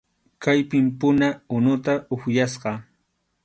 Kaypim puna unuta upyasqa.